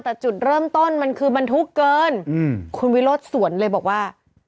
แต่จุดเริ่มต้นมันคือบรรทุกเกินคุณวิโรธสวนเลยบอกว่า